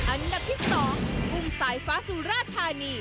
อันดับที่๒กุ้งสายฟ้าสุราธานี